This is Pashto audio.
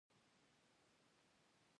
لکه د مالیاتو ورکول چې لازم ګڼل کیږي.